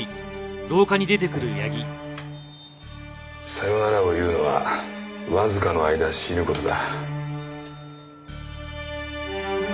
さよならを言うのはわずかの間死ぬ事だ。